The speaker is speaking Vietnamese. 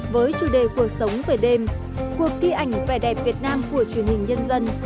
với chủ đề cuộc sống về đêm cuộc thi ảnh vẻ đẹp việt nam của truyền hình nhân dân